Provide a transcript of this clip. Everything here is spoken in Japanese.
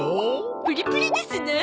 プリプリですなあ。